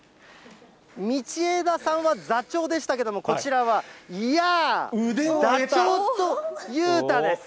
道枝さんは座長でしたけれども、こちらは、やー、ダチョウと裕太です。